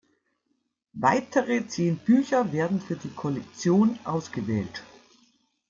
Weitere zehn Bücher werden für die Kollektion ausgewählt.